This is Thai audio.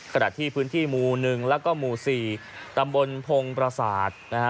ขณะที่พื้นที่หมูหนึ่งแล้วก็หมูสี่ตำบลพงษ์ปราศาสตร์นะฮะ